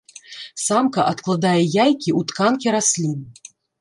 Самка адкладае яйкі ў тканкі раслін.